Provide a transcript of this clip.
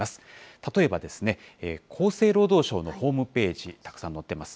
例えば厚生労働省のホームページ、たくさん載ってます。